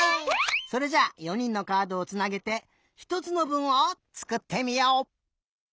それじゃ４にんのカードをつなげてひとつのぶんをつくってみよう！